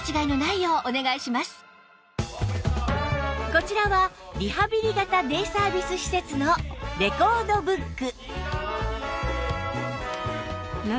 こちらはリハビリ型デイサービス施設のレコードブック